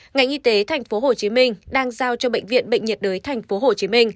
ngành y tế tp hcm đang giao cho bệnh viện bệnh nhiệt đới tp hcm